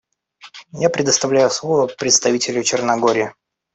Я предоставляю слово представителю Черногории.